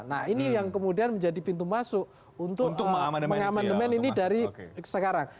nah ini yang kemudian menjadi pintu masuk untuk mengamandemen ini dari sekarang